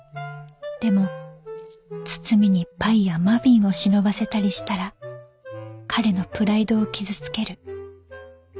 でも包みにパイやマフィンを忍ばせたりしたら彼のプライドを傷つける。